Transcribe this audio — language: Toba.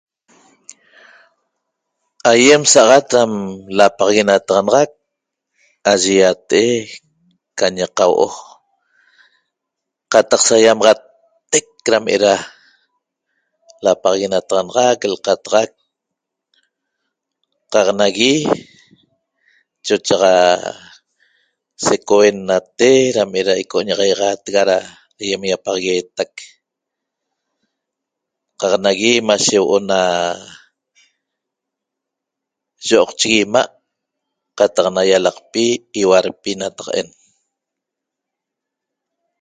ayiem saxat lapaxaguenataxanaxaq ayiate e' i'm qañe qahuo o' Qataq sahiamaxat eteq camera Lapaxaguenataxanaxaq , L'qataxaq Da qa naguie' chochaxa seqohicuenate remare Enaqo da ñiaxatexa ayiem da yiapagueteq qa naguie mashe huo o' na sohon chiguima qataq yialaqpi , ahualpi nataq e'n